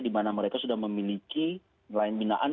dimana mereka sudah memiliki nelayan binaan